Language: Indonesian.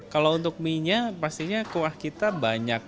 kalau untuk mie nya pastinya kuah kita banyak